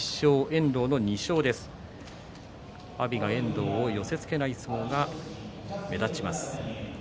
阿炎が遠藤を寄せつけない相撲が目立ちます。